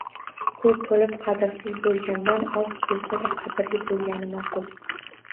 Koʻp boʻlib qadrsiz boʻlgandan oz boʻlsada qadrli boʻlgani maʼqul..!